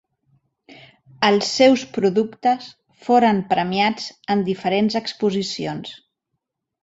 Els seus productes foren premiats en diferents exposicions.